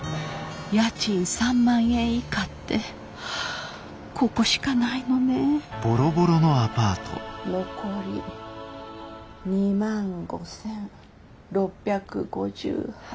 家賃３万円以下ってここしかないのね残り２万５，６５８円。